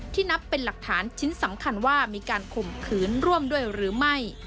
นับเป็นหลักฐานชิ้นสำคัญว่ามีการข่มขืนร่วมด้วยหรือไม่